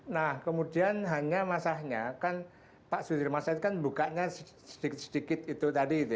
nah kemudian hanya masalahnya kan pak sudirman said kan bukanya sedikit sedikit itu tadi itu